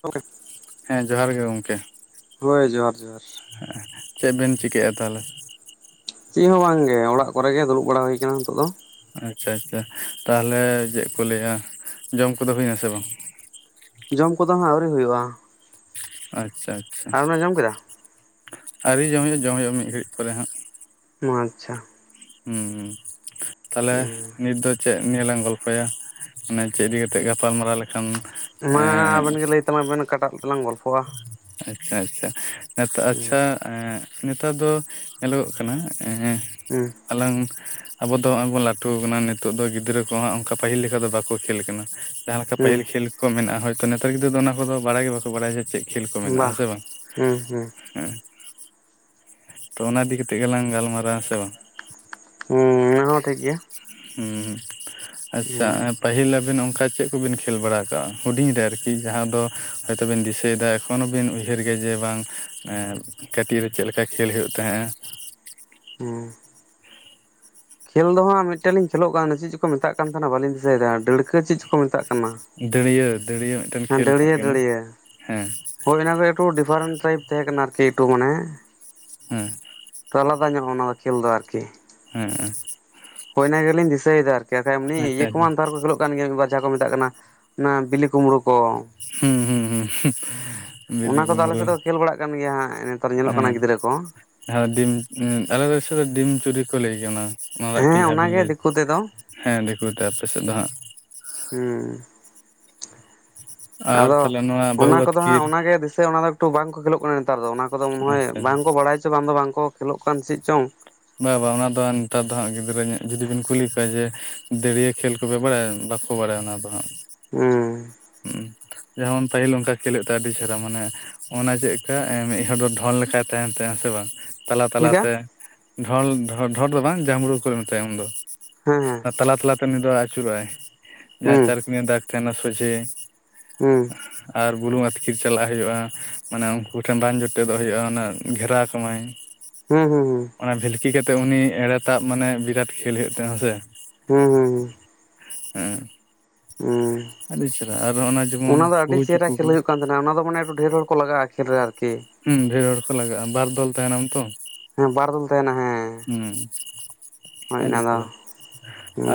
ᱜᱚᱝᱠᱮ ᱦᱮᱸ ᱡᱚᱦᱟᱨ ᱜᱮ ᱜᱚᱝᱠᱮ᱾ ᱦᱳᱭ ᱡᱚᱦᱟᱨ ᱡᱚᱦᱟᱨ ᱦᱮᱸ ᱪᱮᱜ ᱵᱮᱱ ᱪᱤᱠᱟᱹᱭᱼᱟ ᱛᱟᱦᱚᱞᱮ? ᱪᱮᱜ ᱦᱚᱸ ᱵᱟᱝᱜᱮ ᱚᱲᱟᱜ ᱠᱚᱨᱮ ᱜᱮ ᱫᱩᱲᱩᱵ ᱵᱟᱲᱟ ᱦᱩᱭ ᱠᱟᱱᱟ ᱱᱤᱛᱚᱜ ᱫᱚ᱾ ᱟᱪᱪᱷᱟ ᱟᱪᱪᱷᱟ ᱛᱟᱦᱚᱞᱮ ᱪᱮᱜ ᱠᱚ ᱞᱟᱹᱭᱟ ᱡᱚᱢ ᱠᱚᱫᱚ ᱦᱩᱭᱱᱟ ᱥᱮ ᱵᱟᱝ? ᱡᱚᱢ ᱠᱚᱫᱚ ᱦᱟᱸᱜ ᱟᱹᱣᱨᱤ ᱦᱩᱭᱩᱜᱼᱟ᱾ ᱟᱪᱪᱷᱟ ᱟᱪᱪᱷᱟ ᱟᱢᱮ ᱡᱚᱢ ᱠᱮᱫᱟ ᱟᱹᱣᱨᱤ ᱡᱚᱢ ᱦᱩᱭᱩᱜᱼᱟ ᱡᱚᱢ ᱦᱩᱭᱩᱜᱼᱟ ᱢᱤᱫ ᱜᱷᱟᱹᱲᱤᱜ ᱯᱚᱨᱮ ᱦᱟᱸᱜ᱾ ᱢᱟ ᱟᱪᱪᱷᱟ, ᱦᱩᱸ ᱦᱩᱸ ᱛᱟᱦᱞᱮ ᱦᱮᱸ ᱱᱤᱛ ᱫᱚ ᱪᱮᱫ ᱱᱤᱭᱟᱹ ᱞᱟᱝ ᱜᱚᱞᱯᱚᱭᱟ ᱢᱟᱱᱮ ᱪᱮᱜ ᱤᱫᱤ ᱠᱟᱛᱮᱜ ᱜᱟᱯᱟᱞᱢᱟᱨᱟᱣ ᱞᱮᱠᱷᱟᱱ ᱢᱟ ᱮᱸ ᱟᱵᱮᱱ ᱜᱮ ᱞᱟᱹᱭ ᱛᱟᱞᱟᱵᱮᱱ ᱚᱠᱟᱴᱟᱜ ᱛᱮᱞᱟᱝ ᱜᱚᱞᱯᱷᱚᱜᱼᱟ ᱟᱪᱪᱷᱟ ᱟᱪᱪᱷᱟ ᱱᱮᱛᱳ ᱟᱪᱪᱷᱟ, ᱦᱮᱸ ᱮᱸ ᱱᱮᱛᱟᱨ ᱫᱚ ᱧᱮᱞᱚᱜᱚᱜ ᱠᱟᱱᱟ ᱮᱸ ᱩᱸ ᱟᱞᱟᱝ ᱟᱵᱚ ᱫᱚ ᱟᱨ ᱵᱚᱱ ᱞᱟᱹᱴᱩ ᱠᱟᱱᱟ ᱱᱤᱛᱚᱜ ᱫᱚ ᱜᱤᱫᱽᱨᱟᱹ ᱠᱚ ᱦᱟᱸᱜ ᱚᱱᱠᱟ ᱯᱟᱹᱦᱤᱞ ᱞᱮᱠᱟ ᱫᱚ ᱵᱟᱠᱚ ᱠᱷᱮᱞ ᱠᱟᱱᱟ᱾ ᱡᱟᱦᱟᱸ ᱞᱮᱠᱟ ᱯᱟᱹᱦᱤᱞ ᱦᱮᱸ ᱠᱷᱮᱞ ᱠᱚ ᱢᱮᱱᱟᱜᱼᱟ ᱦᱳᱭᱛᱚ ᱱᱮᱛᱟᱨ ᱜᱤᱫᱽᱨᱟᱹ ᱫᱚ ᱚᱱᱟ ᱠᱚᱫᱚ ᱵᱟᱲᱟᱭ ᱜᱮ ᱵᱟᱠᱚ ᱵᱟᱲᱟᱭᱟ ᱡᱮ, ᱪᱮᱫ ᱠᱷᱮᱞ ᱠᱚ ᱢᱮᱱᱟᱜᱼᱟ ᱵᱟ ᱦᱮᱸ ᱥᱮ ᱵᱟᱝ ᱦᱩᱸ ᱦᱩᱸ᱾ ᱦᱮᱸ ᱛᱚ ᱚᱱᱟ ᱤᱫᱤ ᱠᱟᱛᱮᱜ ᱜᱮᱞᱟᱝ ᱜᱟᱞᱢᱟᱨᱟᱣᱟ ᱦᱮᱸᱥᱮ ᱵᱟᱝ᱾ ᱦᱩᱸ ᱚᱱᱟ ᱦᱚᱸ ᱴᱷᱤᱠ ᱜᱮᱭᱟ᱾ ᱦᱩᱸ ᱟᱪᱪᱷᱟ ᱦᱮᱸ ᱮᱸᱯ ᱯᱟᱹᱦᱤᱞ ᱟᱵᱮᱱ ᱚᱱᱠᱟ ᱪᱮᱜ ᱠᱚᱵᱮᱱ ᱠᱷᱮᱞ ᱵᱟᱲᱟ ᱟᱠᱟᱜᱼᱟ ᱦᱩᱰᱤᱧ ᱨᱮ ᱟᱨᱠᱤ ᱡᱟᱦᱟᱸ ᱫᱚ ᱦᱚᱭᱛᱚ ᱵᱤᱱ ᱫᱤᱥᱟᱹᱭᱮᱫᱟ? ᱮᱠᱷᱚᱱᱳ ᱵᱤᱱ ᱩᱭᱦᱟᱹᱨ ᱜᱮᱭᱟ ᱡᱮ ᱵᱟᱝ ᱠᱟᱹᱴᱤᱜ ᱨᱮ ᱪᱮᱜ ᱞᱮᱠᱟ ᱠᱷᱮᱞ ᱦᱩᱭᱩᱜ ᱛᱟᱦᱮᱸᱼᱟ᱾ ᱦᱩᱸ, ᱠᱷᱮᱞ ᱫᱚ ᱦᱟᱸᱜ ᱢᱤᱜᱴᱮᱱ ᱞᱤᱧ ᱠᱷᱮᱞᱳᱜ ᱠᱟᱱᱟ ᱪᱮᱫ ᱪᱚᱠᱚ ᱠᱚ ᱢᱮᱛᱟᱜ ᱠᱟᱱ ᱛᱟᱦᱮᱸᱱᱟ ᱵᱟᱞᱤᱧ ᱫᱤᱥᱟᱹᱭᱮᱫᱟ ᱰᱟᱹᱲᱠᱟᱹ ᱪᱮᱜ ᱪᱚ ᱠᱚ ᱢᱮᱛᱟᱜ ᱠᱟᱱᱟ ᱫᱟᱹᱲᱭᱟᱹ ᱫᱟᱹᱲᱭᱟᱹ ᱢᱤᱜᱴᱮᱱ ᱦᱮᱸ ᱠᱷᱮᱞ ᱛᱟᱦᱮᱸ ᱰᱟᱹᱲᱭᱟᱹ ᱠᱟᱱᱟ ᱰᱟᱹᱲᱭᱟᱹ ᱦᱮᱸ, ᱦᱳᱭ ᱢᱟᱱᱮ ᱮᱠᱴᱩ ᱰᱤᱯᱷᱟᱨᱮᱱᱴ ᱴᱟᱭᱤᱯ ᱛᱟᱦᱮᱸ ᱠᱟᱱᱟ ᱟᱨᱠᱤ ᱮᱠᱴᱩ ᱢᱟᱱᱮ᱾ ᱦᱮᱸ ᱛᱚ ᱟᱞᱟᱫᱟ ᱧᱚᱜᱼᱟ ᱚᱱᱟ ᱫᱚ ᱠᱷᱮᱞ ᱫᱚ ᱟᱨᱠᱤ᱾ ᱦᱮᱸ ᱮᱸ ᱦᱳᱭ ᱤᱱᱟ. ᱜᱮᱞᱤᱧ ᱫᱤᱥᱟᱹᱭᱮᱫᱟ ᱟᱨᱠᱤ ᱠᱷᱟᱭ ᱮᱢᱱᱤ ᱤᱭᱟ. ᱟᱪᱪᱷᱟ ᱟᱪᱪᱷᱟ ᱠᱚᱢᱟ ᱱᱮᱛᱟᱨ ᱠᱚ ᱠᱷᱮᱞᱚᱜ ᱠᱟᱱ ᱜᱮᱭᱟ ᱵᱟ ᱡᱟᱦᱟᱸ ᱠᱚ ᱢᱮᱛᱟᱜ ᱠᱟᱱᱟ ᱵᱤᱞᱤ ᱠᱩᱢᱲᱩ᱾ ᱠᱚ ᱦᱩᱸ ᱦᱩᱸ ᱦᱩᱸ᱾ ᱚᱱᱟ ᱵᱤᱞᱤ ᱠᱚᱫᱚ ᱟᱞᱮ ᱠᱩᱢᱲᱳ ᱥᱮᱜ ᱫᱚ ᱠᱷᱹᱮᱞ ᱵᱟᱲᱟᱜ ᱠᱟᱱ ᱜᱮᱭᱟ ᱦᱟᱸᱜ ᱱᱮᱛᱟᱨ ᱧᱮᱞᱚᱜ ᱠᱟᱱᱟ ᱜᱤᱫᱽᱨᱟᱹ ᱠᱚ᱾ ᱦᱮᱸ ᱰᱤᱢ ᱟᱞᱮ ᱥᱮᱫᱨᱮ ᱰᱤᱢ ᱪᱩᱨᱤ ᱠᱚ ᱞᱟᱹᱭ ᱜᱮᱭᱟ ᱚᱱᱟ᱾ ᱚᱱᱟᱜ ᱨᱮᱱᱟᱜ ᱦᱮᱸ [unintelligible] ᱡᱟᱦᱟᱸ ᱵᱤᱱ ᱚᱱᱟᱜᱮ ᱞᱟᱹᱭ ᱫᱤᱠᱩ ᱛᱮᱫᱚ ᱦᱮᱸ ᱫᱮᱠᱩᱛᱮ ᱟᱯᱮ ᱥᱮᱜ ᱫᱚ ᱦᱟᱸᱜ᱾ ᱦᱩᱸ, ᱟᱨ ᱟᱫᱚ ᱛᱟᱦᱚᱞᱮ ᱱᱚᱣᱟ ᱚᱱᱟ ᱵᱟᱹᱦᱩ ᱠᱚᱫᱚ ᱦᱟᱸᱜ ᱟᱹᱛᱠᱤᱨ ᱚᱱᱟᱜᱮ ᱫᱤᱥᱟᱹ ᱚᱱᱟ ᱫᱚ ᱮᱠᱴᱩ ᱵᱟᱝᱠᱚ ᱠᱷᱮᱞᱳᱜ ᱠᱟᱱᱟ ᱱᱮᱛᱟᱨ ᱫᱚ ᱚᱱᱟ ᱠᱚᱫᱚ ᱢᱟᱱᱮ ᱦᱚᱭ ᱟᱪᱪᱷᱟ ᱵᱟᱝᱠᱚ ᱵᱟᱲᱟᱭ ᱪᱚ ᱵᱟᱝ ᱫᱚ ᱵᱟᱝ ᱠᱚ ᱠᱷᱮᱞᱳᱜ ᱠᱟᱱ ᱪᱮᱜ ᱪᱚᱝ᱾ ᱵᱟ ᱵᱟᱝ ᱚᱱᱟ ᱫᱚ ᱱᱮᱛᱟᱨ ᱫᱚ ᱦᱟᱸᱜ ᱜᱤᱫᱽᱨᱟᱹ ᱧᱚᱜ ᱡᱩᱫᱤ ᱵᱤᱱ ᱠᱩᱞᱤ ᱠᱚᱣᱟ ᱡᱮ ᱫᱟᱹᱨᱭᱟ. ᱠᱷᱮᱞ ᱠᱚᱯᱮ ᱵᱟᱲᱟᱭᱟ ᱵᱟᱠᱚ ᱵᱟᱲᱟᱭᱟ ᱚᱱᱟ ᱫᱚ ᱦᱟᱸᱜ᱾ ᱦᱩᱸ, ᱦᱩᱸ ᱡᱮᱢᱚᱱ ᱯᱟᱹᱦᱤᱞ ᱚᱱᱠᱟ ᱠᱷᱮᱞᱜ ᱛᱮ ᱟᱹᱰᱤ ᱪᱮᱦᱨᱟ ᱢᱟᱱᱮ ᱚᱱᱟ ᱪᱮᱜᱠᱟ ᱢᱤᱜᱦᱚᱲ ᱫᱚ ᱰᱷᱚᱞ ᱞᱮᱠᱟᱭ ᱛᱟᱦᱮᱸᱱ ᱛᱟᱦ ᱥᱮ ᱵᱟᱝ, ᱛᱟᱞᱟ ᱪᱮᱫᱠᱟ ᱛᱟᱞᱟᱛᱮ ᱰᱷᱚᱞ ᱰᱷᱚᱞ ᱫᱚ ᱵᱟᱝ ᱡᱟᱢᱲᱩ ᱠᱚ ᱢᱮᱛᱟᱭᱟ ᱩᱱᱫᱚ᱾ ᱦᱮᱸ ᱦᱮᱸ, ᱛᱟᱞᱟ ᱛᱟᱞᱟᱛᱮ ᱩᱱᱤ ᱫᱚ ᱟᱹᱪᱩᱨᱚᱜᱟᱭ ᱡᱟᱦᱟᱸ ᱦᱮᱸ ᱪᱟᱨᱠᱚᱱᱤᱭᱟ ᱫᱟᱜᱽ ᱛᱟᱦᱮᱸᱱᱟ ᱥᱚᱡᱷᱮ ᱦᱩᱸ ᱟᱨ ᱵᱩᱞᱩᱝ ᱟᱹᱛᱠᱤᱨ ᱪᱟᱞᱟᱜ ᱦᱩᱭᱩᱜᱼᱟ ᱢᱟᱱᱮ ᱩᱱᱠᱩ ᱴᱷᱮᱱ ᱵᱟᱝ ᱡᱚᱴᱮᱫᱚᱜ ᱦᱚᱭᱳᱜᱼᱟ ᱚᱱᱮ ᱜᱷᱮᱨᱟ ᱠᱚᱢᱟᱭ᱾ [unintelligible] ᱦᱩᱸ ᱦᱩᱸ ᱦᱩᱸ ᱚᱱᱟ ᱵᱷᱤᱞᱠᱤ ᱠᱟᱛᱮᱜ ᱩᱱᱤ ᱮᱲᱮ ᱛᱟᱵ ᱢᱟᱱᱮ ᱵᱤᱨᱟᱴ ᱠᱷᱮᱞ ᱦᱚᱭᱳᱜ ᱛᱟᱦᱮᱸ ᱦᱮᱥᱮ᱾ ᱦᱩᱸ ᱦᱩᱸ ᱦᱩᱸ ᱦᱩ ᱦᱮᱸ ᱟᱹᱰᱤ ᱪᱮᱦᱨᱟ ᱟᱨᱚ ᱚᱱᱟ ᱡᱮᱢᱚᱱ ᱫᱚ ᱟᱹᱰᱤ ᱦᱩᱦᱩ ᱪᱩᱠᱩ ᱪᱮᱦᱨᱟ ᱠᱚ᱾ ᱠᱷᱮᱞ ᱦᱩᱭᱩᱜ ᱠᱟᱱ ᱚᱱᱟ ᱫᱚ ᱢᱟᱱᱮ ᱮᱠᱴᱩ ᱰᱷᱮᱨ ᱦᱚᱲ ᱠᱚ ᱞᱟᱜᱼᱟ ᱟᱠᱷᱤᱨ ᱨᱮ ᱟᱨᱠᱤ᱾ ᱦᱩᱸ ᱰᱷᱮᱨ ᱦᱚᱲ ᱠᱚ ᱞᱟᱜᱟᱜᱼᱟ ᱵᱟᱨ ᱫᱚᱞ ᱛᱟᱦᱮᱱᱟᱢ ᱛᱚ᱾ ᱦᱮᱸ ᱵᱟᱨ ᱫᱚᱞ ᱛᱟᱦᱮᱱᱟ ᱦᱮᱸ᱾ ᱦᱩᱸ ᱦᱳᱭ ᱟᱹᱰᱤ ᱚᱱᱟ ᱫᱚ ᱪᱮᱨᱦᱟ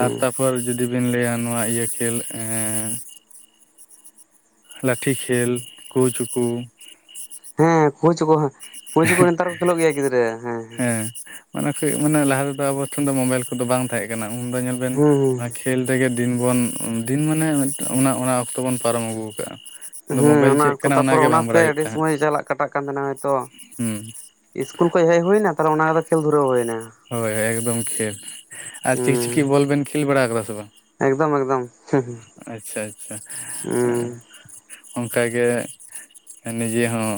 ᱟᱨ ᱛᱟᱯ᱾ ᱯᱷᱳᱨ ᱡᱩᱫᱤᱵᱤᱱ ᱞᱟᱹᱭᱟ ᱱᱚᱣᱟ ᱤᱭᱟᱹ ᱠᱷᱮᱞ ᱮ᱾ ᱞᱟᱹᱴᱷᱤ ᱠᱷᱮᱞ ᱠᱩᱪᱩᱠᱩ᱾ ᱦᱮᱸ ᱠᱳᱦᱩᱪᱩᱠᱩ ᱠᱳᱦᱩᱪᱩᱠᱩ ᱠᱚ ᱱᱮᱛᱟᱨ ᱠᱚ ᱠᱷᱮᱞᱳᱜ ᱜᱮᱭᱟ ᱜᱤᱫᱽᱨᱟᱹ ᱦᱮᱸ ᱦᱮᱸ᱾ ᱮ ᱢᱟᱱᱮ ᱞᱟᱦᱟ ᱛᱮᱫᱚ ᱟᱵᱚ ᱴᱷᱮᱱ ᱫᱚ ᱢᱳᱵᱟᱭᱤᱞ ᱠᱚᱫᱚ ᱵᱟᱝ ᱛᱟᱦᱮᱸ ᱠᱟᱱᱟ ᱩᱱ ᱫᱚ ᱧᱮᱞ ᱵᱮᱱ᱾ ᱦᱮᱸ ᱠᱷᱮᱞ ᱨᱮᱜᱮ ᱫᱤᱱ ᱵᱚᱱ ᱫᱤᱱ ᱢᱟᱱᱮ ᱚᱱᱟ ᱚᱠᱛᱚ ᱵᱚᱱ ᱯᱟᱨᱚᱢ ᱟᱹᱜᱩ ᱟᱠᱟᱟᱜᱼᱟ᱾ ᱦᱮᱸ ᱚᱱᱟᱠᱛᱚ ᱛᱟᱯᱚᱨ ᱚᱱᱟᱛᱮ ᱟᱹᱰᱤ ᱛᱟᱦᱮᱸᱫ ᱥᱳᱚᱢᱚᱭ ᱪᱟᱞᱟᱜ᱾ ᱠᱟᱴᱟᱜ ᱠᱟᱱ ᱛᱟᱦᱮᱱᱟ ᱦᱚᱭᱛᱚ ᱦᱩᱸ ᱤᱥᱠᱩᱞ ᱠᱷᱚᱡ ᱦᱮᱡ ᱦᱩᱭ ᱮᱱᱟ ᱛᱟᱦᱚᱞᱮ ᱚᱱᱟ ᱠᱷᱮᱞ ᱫᱷᱩᱨᱟᱹᱣ ᱦᱩᱭ ᱮᱱᱟ᱾ ᱦᱳᱭ ᱦᱳᱭ ᱮᱠᱫᱚᱢ ᱠᱷᱮᱞ ᱟᱨ ᱦᱮᱸ ᱪᱤᱠᱪᱤᱠᱤ ᱵᱚᱞ ᱵᱮᱱ ᱠᱷᱮᱞ ᱵᱟᱲᱟ ᱠᱟᱫᱟ ᱥᱮ ᱵᱟᱝ᱾ ᱮᱠᱫᱚᱢ ᱮᱠᱫᱚᱢ ᱟᱪᱪᱷᱟ ᱟᱪᱪᱷᱟ ᱦᱮᱸ ᱚᱱᱠᱟ ᱜᱮ᱾ ᱱᱤᱡᱮ ᱦᱚᱸ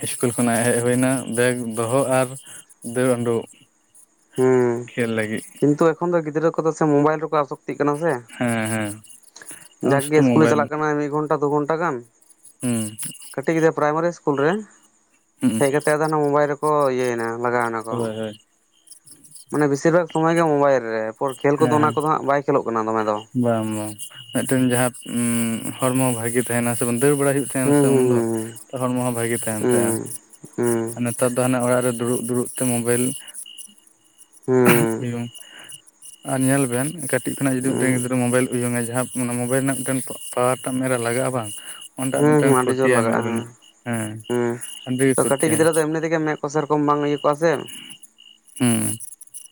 ᱥᱤᱥᱠᱩᱞ ᱠᱷᱚᱱᱟᱜ ᱦᱮᱡ ᱦᱩᱭ ᱮᱱᱟ ᱵᱮᱜᱽ ᱫᱚᱦᱚ ᱟᱨ᱾ ᱫᱟᱹᱲ ᱚᱰᱩᱝ᱾ ᱦᱩᱸ ᱠᱤᱱᱛᱩ ᱮᱠᱷᱚᱱ ᱫᱚ ᱜᱤᱫᱽᱨᱟᱹ ᱠᱚᱛ ᱥᱮ ᱢᱳᱵᱟᱭ ᱨᱮᱠᱚ ᱟᱥ᱾ ᱞᱟᱹᱠᱛᱤᱜ ᱠᱟᱱᱟ ᱥᱮ ᱦᱮᱸ ᱦᱮᱸ ᱟᱢ ᱡᱟᱠᱮ ᱥᱩᱫᱷᱩ ᱤᱥᱠᱩᱞᱮ ᱢᱳᱵᱟᱭᱤᱞ ᱪᱟᱞᱟᱜ ᱠᱟᱱᱟ ᱢᱤᱫ᱾ [inaudible] ᱥᱟᱛ ᱜᱷᱚᱱᱴᱟ ᱜᱟᱱ ᱦᱩᱸ ᱠᱟᱹᱴᱤᱡ ᱜᱤᱫᱽᱨᱟᱹ ᱯᱨᱟᱭᱢᱟᱨᱤ ᱤᱥᱠᱩᱞ ᱨᱮ ᱦᱩᱸ ᱦᱮᱡ ᱠᱟᱛᱮ᱾ ᱚᱱᱟ ᱢᱳᱵᱟᱭᱤᱞ ᱨᱮᱠᱚ ᱤᱭᱟᱹᱭᱱᱟ ᱞᱟᱜᱟᱣᱱᱟ ᱠᱚ᱾ ᱦᱳᱭ ᱦᱳᱭ ᱢᱟᱱᱮ ᱵᱮᱥᱤᱨ ᱵᱷᱟᱜᱽ ᱥᱚᱢᱚᱭ ᱜᱮ ᱢᱳᱵᱟᱭᱤᱞ ᱨᱮ ᱮᱚᱨ ᱠᱷᱮᱞ ᱦᱮᱸ ᱠᱚᱫᱚ ᱦᱮᱸ ᱚᱱᱟ ᱠᱚᱫᱚ ᱦᱟᱸᱜ ᱵᱟᱭ ᱠᱷᱮᱞᱞᱜ ᱠᱟᱱᱟ ᱫᱚᱢᱮ ᱫᱚ᱾ ᱵᱟᱝ ᱵᱟᱝ ᱢᱤᱫᱴᱮᱱ ᱡᱟᱦᱟᱸ ᱦᱚᱲᱢᱚ ᱵᱷᱟᱜᱤ ᱛᱟᱦᱮᱱᱟ ᱥᱮ ᱵᱟᱝ ᱫᱟᱹᱲ ᱵᱟᱲᱟᱟᱭ ᱦᱩᱭᱩᱜ᱾ ᱛᱟᱦᱮᱱᱟ ᱥᱮ ᱩᱱᱫᱚ ᱦᱩᱸ ᱦᱚᱲᱢᱚ ᱦᱚᱸ ᱵᱷᱟᱜᱮ ᱛᱟᱦᱮᱱ ᱦᱩᱸ ᱛᱟᱦᱮᱸᱼᱟ᱾ ᱦᱩᱸ ᱱᱮᱛᱟᱨ ᱫᱚ ᱦᱟᱱᱮ ᱚᱲᱟᱜ ᱨᱮ ᱫᱩᱲᱩᱵ ᱫᱩᱲᱩᱵ ᱛᱮ ᱢᱳᱵᱟᱭᱤᱞ᱾ ᱦᱩᱸ ᱟᱨ ᱧᱮᱞ ᱵᱮᱱ ᱠᱟᱹᱴᱤᱡ ᱠᱷᱚᱱᱟᱜ ᱡᱩᱫᱤ ᱦᱩᱸ ᱢᱤᱫᱴᱮᱱ ᱦᱩᱸ ᱜᱤᱫᱽᱨᱟᱹ ᱢᱳᱵᱟᱭᱤᱞ᱾ ᱩᱭᱩᱝᱼᱟ ᱡᱟᱦᱟᱸ ᱢᱳᱵᱟᱭᱤᱞ ᱨᱮᱱᱟᱜ ᱢᱤᱫᱴᱮᱱ ᱯᱟᱣᱟᱨ ᱴᱟᱜ ᱢᱮᱫ ᱨᱮ ᱞᱟᱜᱟᱜᱼᱟ ᱵᱟᱝ᱾ ᱚᱸᱰᱮ ᱟᱜ ᱦᱩᱸ ᱦᱩᱸ ᱢᱤᱫᱴᱟᱝ ᱦᱩᱸ ᱟᱹᱰᱤ ᱡᱳᱨ ᱠᱷᱚᱛᱤᱭᱟ ᱞᱟᱜᱟᱜᱼᱟ ᱢᱮᱫ ᱦᱮᱸ ᱨᱮᱱᱟᱜ ᱦᱮᱸ ᱦᱩᱸ ᱟᱹᱰᱤ ᱜᱮ ᱛᱚ ᱠᱟᱹᱴᱤᱡ ᱠᱷᱚᱛᱤᱭᱟᱭ᱾ ᱜᱤᱫᱽᱨᱟᱹ ᱫᱚ ᱮᱢᱱᱤ ᱢᱮᱫ ᱠᱚ ᱥᱮᱨᱚᱠᱚᱢ ᱵᱟᱝ ᱤᱭᱟᱹ ᱠᱚᱜᱼᱟ ᱥᱮ ᱦᱩᱸ